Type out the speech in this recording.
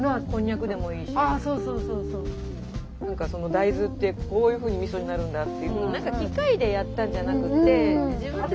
大豆ってこういうふうにみそになるんだって。